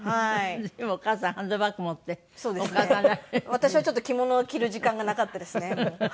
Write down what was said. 私はちょっと着物を着る時間がなかったですね。